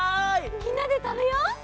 みんなでたべよう！